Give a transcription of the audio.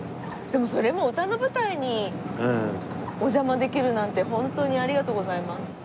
でもそれも歌の舞台にお邪魔できるなんてホントにありがとうございます。